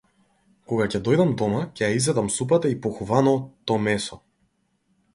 Кога ќе дојдам дома, ќе ја изедам супата и похувано- то месо.